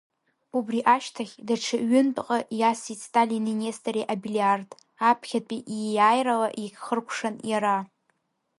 Убри ашьҭахь, даҽа ҩынтәҟа иасит Сталини Нестори абилиард, аԥхьатәи ииааирала иагьхыркәшан иара.